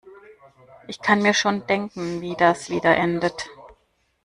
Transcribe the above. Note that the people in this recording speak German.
Ich kann mir schon denken, wie das wieder endet.